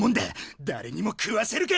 だれにも食わせるか！